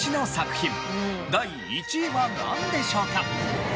第１位はなんでしょうか？